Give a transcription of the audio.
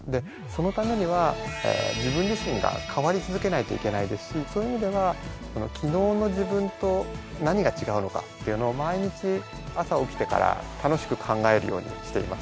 そのためには自分自身が変わり続けないといけないですしそういう意味では昨日の自分と何が違うのかというのを毎日朝起きてから楽しく考えるようにしています。